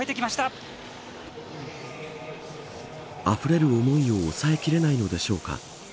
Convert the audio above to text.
あふれる思いを抑えきれないのでしょうか。